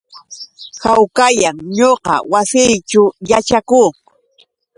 Hawkallam ñuqa wasiićhu yaćhakuu.